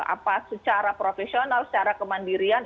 apa secara profesional secara kemandirian